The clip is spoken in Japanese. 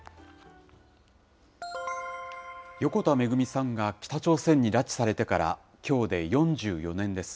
横田めぐみさんが北朝鮮に拉致されてから、きょうで４４年です。